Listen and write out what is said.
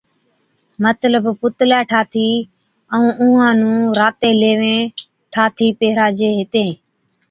مطلب پُتلَي ٺاهٿِي ائُون اُونھان نُون راتين ليويين ٺاٿِي پِھِراجي ھِتين